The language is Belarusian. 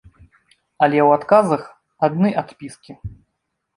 Але ў адказах адны адпіскі.